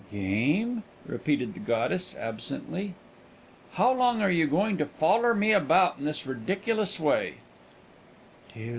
"Game?" repeated the goddess, absently. "How long are you going to foller me about in this ridiclous way?"